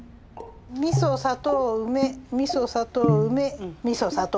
みそ砂糖梅みそ砂糖梅みそ砂糖。